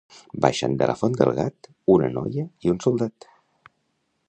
Baixant de la font del gat, una noia i un soldat.